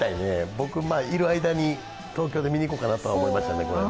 僕、いる間に東京で見に行こうかなと思いましたね。